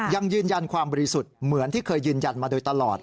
ยังยืนยันความบริสุทธิ์เหมือนที่เคยยืนยันมาโดยตลอด